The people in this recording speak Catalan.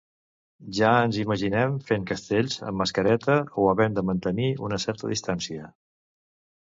Ja ens imaginem fent castells amb mascareta o havent de mantenir una certa distància.